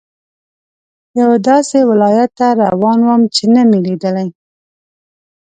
یوه داسې ولایت ته روان وم چې نه مې لیدلی.